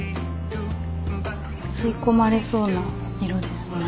吸い込まれそうな色ですね。